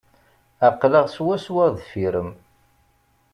Aql-aɣ swaswa deffir-m.